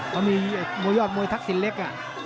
เขามีมวยยอดมวยทักษิณเล็ก